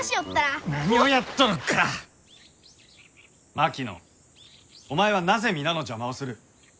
槙野お前はなぜ皆の邪魔をする？